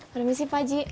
permisi pak haji